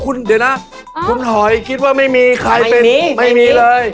คุณเดี๋ยวนะคุณหอยคิดว่าไม่มีใครเป็นไม่มีเลย